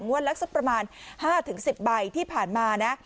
งวดลักษณ์ก็ซึ่งประมาณ๕ถึง๑๐ใบที่ผ่านมานะ